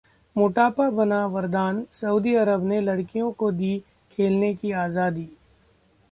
मोटापा बना वरदान, सऊदी अरब ने लड़कियों को दी खेलने की आजादी